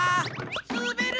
すべる！